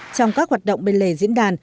trong các hoạt động bên lề diễn đàn